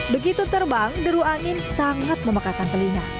begitu terbang deru angin sangat memekakan telinga